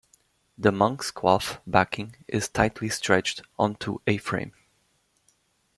The Monk's cloth backing is tightly stretched on to a frame.